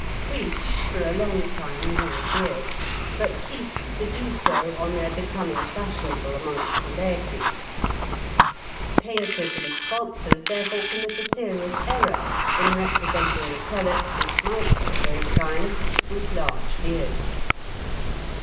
Priests for a long time wore beards, but ceased to do so on their becoming fashionable amongst the laity (Figs. 406, 407). Painters and sculptors therefore commit a serious error in representing the prelates and monks of those times with large beards.